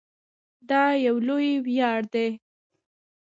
دا یو لوی ویاړ دی.